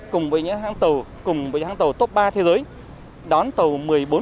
cùng với các tàu có thể vào cảng hải phòng do tuyến lường ở thượng lưu là bị cạn